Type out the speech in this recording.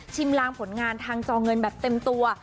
ลางผลงานทางจอเงินแบบเต็มตัว